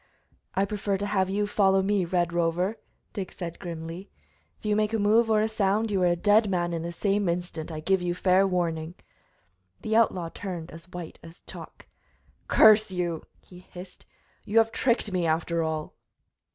"I prefer to have you follow me, Red Rover!" Dick said grimly. "If you make a move or a sound you are a dead man in the same instant, I give you fair warning." The outlaw turned as white as chalk. "Curse you!" he hissed. "You have tricked me, after all!"